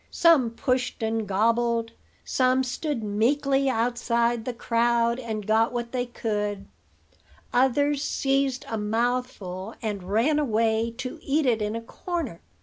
Some pushed and gobbled; some stood meekly outside the crowd, and got what they could; others seized a mouthful, and ran away to eat it in a corner.